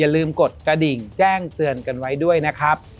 ลืมกดกระดิ่งแจ้งเตือนกันไว้ด้วยนะครับ